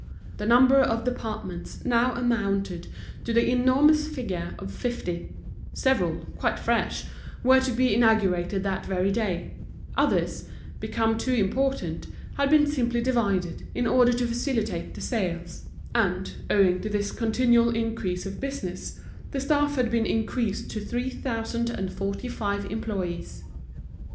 The number of departments now amounted to the enormous figure of fifty; several, quite fresh, were to be inaugurated that very day; others, become too important, had been simply divided, in order to facilitate the sales; and, owing to this continual increase of business, the staff had been increased to three thousand and forty five employees.